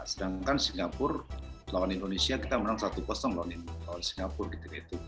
sedangkan singapura lawan indonesia kita menang satu lawan singapura gitu